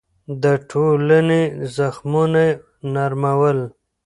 د ټولنې زخمونه يې نرمول.